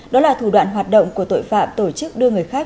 đó là thủ đoạn hoạt động của tội phạm tổ chức đưa người khác